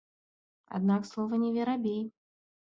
Аднак слова не верабей.